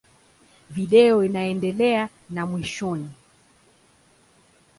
Video inaendelea na mwishoni.